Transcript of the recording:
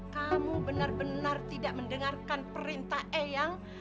kamu benar benar tidak mendengarkan perintah eyang